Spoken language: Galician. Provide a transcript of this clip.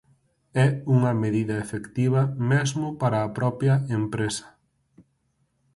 É unha medida efectiva mesmo para a propia empresa.